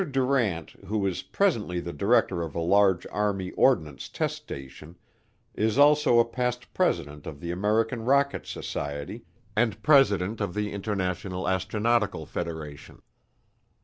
Durant, who is presently the director of a large Army Ordnance test station, is also a past president of the American Rocket Society and president of the International Astronautical Federation.